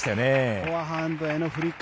フォアハンドへのフリック